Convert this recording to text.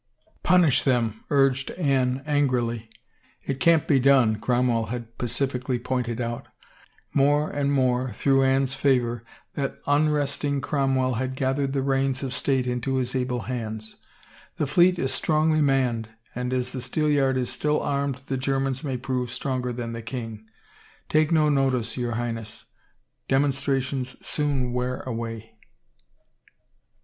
" Punish them," urged Anne angrily. " It can't be done," Cromwell had pacifically pointed out More and more, through Anne's favor, that un resting Cromwell had gathered the reins of state into his able hands. "The fleet is strongly manned and as the Steelyard is still armed the Germans may prove stronger than the king. ... Take no notice, your Highness. Demonstrations soon wear away."